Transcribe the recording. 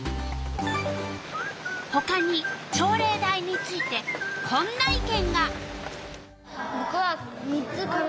ほかに朝礼台についてこんな意見が。